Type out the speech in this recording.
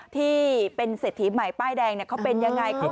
ที่เป็นเศรษฐีใหม่ป้ายแดงเขาเป็นยังไง